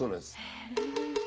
へえ。